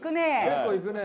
結構いくね。